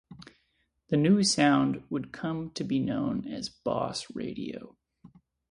The new sound would come to be known as Boss Radio.